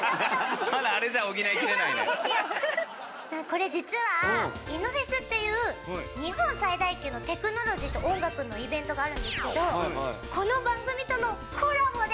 これ実はＩＮＮＯＦＥＳっていう日本最大級のテクノロジーと音楽のイベントがあるんですけどこの番組とのコラボで作ってくださったんですよ。